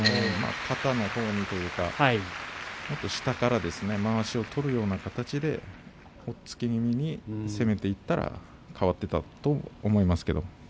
肩のほうというか、もっと下からまわしを取るような形で押っつけ気味に攻めていったら変わっていったと思いますけれど。